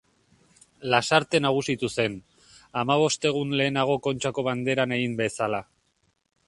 Lasarte nagusitu zen, hamabost egun lehenago Kontxako Banderan egin bezala.